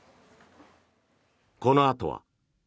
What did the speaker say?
このあとは。